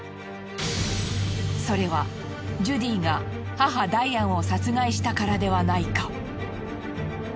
それはジュディが母ダイアンを殺害したからではないか？